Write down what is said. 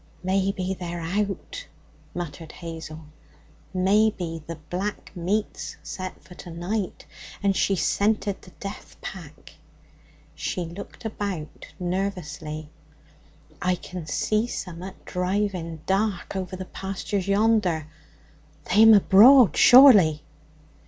'Maybe they're out,' muttered Hazel. 'Maybe the black meet's set for to night and she's scented the jeath pack.' She looked about nervously. 'I can see summat driving dark o'er the pastures yonder; they'm abroad, surely.'